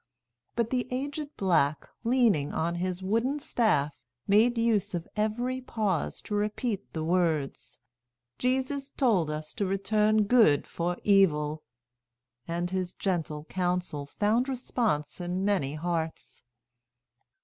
But the aged black, leaning on his wooden staff, made use of every pause to repeat the words, "Jesus told us to return good for evil"; and his gentle counsel found response in many hearts.